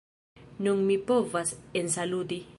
Nun mi povas ensaluti